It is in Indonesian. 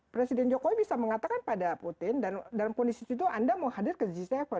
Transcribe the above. presiden jokowi bisa mengatakan pada putin dan dalam kondisi situ anda mau hadir ke g tujuh